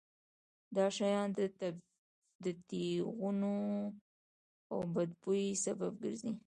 دا شیان د ټېغونو او بد بوی سبب ګرځي.